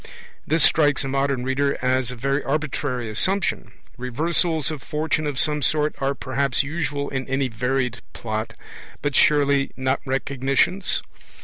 This strikes a modern reader as a very arbitrary assumption. Reversals of Fortune of some sort are perhaps usual in any varied plot, but surely not Recognitions?